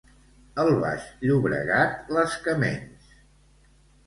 El Baix Llobregat, les que menys.